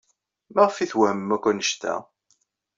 Maɣef ay twehmem akk anect-a?